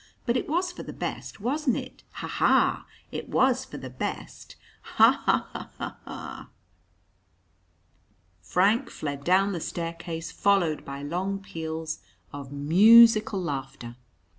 But it was for the best, wasn't it? ha! ha! it was for the best! Ha! ha! ha! ha! ha!" Frank fled down the staircase followed by long peals of musical laughter.